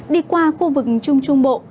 đi qua khu vực trung trung bộ